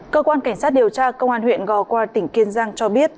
cơ quan cảnh sát điều tra công an huyện gò qua tỉnh kiên giang cho biết